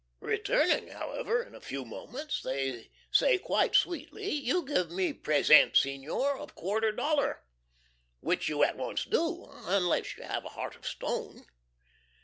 Returning, however, in a few moments, they say quite sweetly, "You give me pres ENT, Senor, of quarter dollar!" which you at once do unless you have a heart of stone.